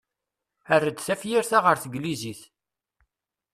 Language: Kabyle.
Err-d tafyirt-a ɣer tneglizit.